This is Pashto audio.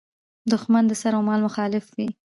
دوښمن د سر او مال مخالف وي.